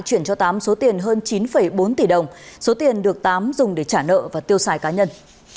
chuyển cho tám số tiền hơn chín bốn tỷ đồng số tiền được tám dùng để trả nợ và tiêu xài cá nhân